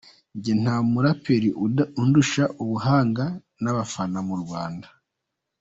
Njye nta muraperi undusha ubuhanga n’abafana mu Rwanda.